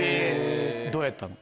どうやったの？